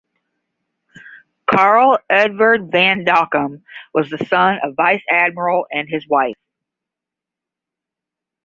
Carl Edvard van Dockum was the son of Vice Admiral and his wife.